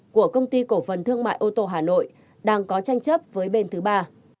của công ty cổ phần thương mại ô tô hà nội đang có tranh chấp với bên thứ ba